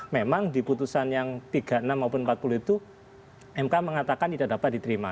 memang di putusan yang tiga puluh enam maupun empat puluh itu mk mengatakan tidak dapat diterima